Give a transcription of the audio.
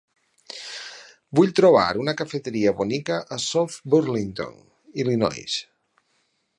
Vull trobar una cafeteria bonica a South Burlington, Illinois